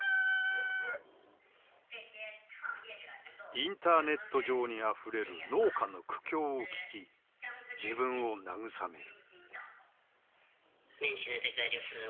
インターネット上にあふれる農家の苦境を聞き自分を慰める。